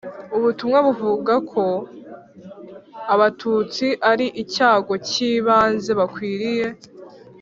ubutumwa buvuga ko Abatutsi ari icyago k ibanze bakwiriye